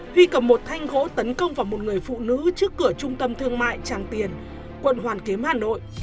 huy cầm một thanh gỗ tấn công vào một người phụ nữ trước cửa trung tâm thương mại tràng tiền quận hoàn kiếm hà nội